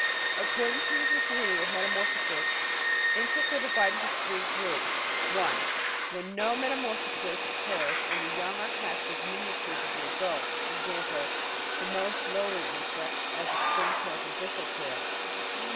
According to the degree of metamorphosis, insects are divided into three groups :( 1 ) When no metamorphosis occurs and the young are hatched as miniatures of the adults, e.g. the most lowly insects, the Springtails and Bristle tails.